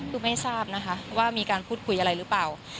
คือไม่ทราบนะคะว่ามีการพูดคุยอะไรหรือเปล่า